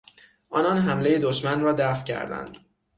آنان حملهی دشمن را دفع کردند.